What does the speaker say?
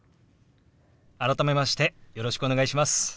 改めましてよろしくお願いします。